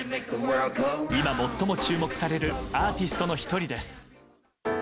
今、最も注目されるアーティストの１人です。